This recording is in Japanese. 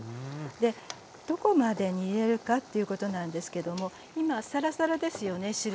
でどこまで煮えるかっていうことなんですけども今サラサラですよね汁が。